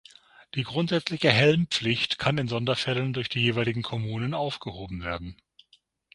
Die grundsätzliche Helmpflicht kann in Sonderfällen durch die jeweiligen Kommunen aufgehoben werden.